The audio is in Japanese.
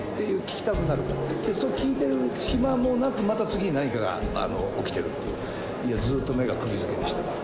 聞きたくなるでそう聞いてる暇もなくまた次に何かが起きてるっていういやずーっと目が釘付けでした